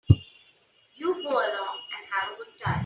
You go along and have a good time.